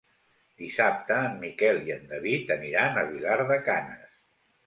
Dissabte en Miquel i en David aniran a Vilar de Canes.